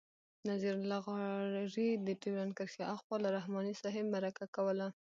نذیر لغاري د ډیورنډ کرښې آخوا له رحماني صاحب مرکه کوله.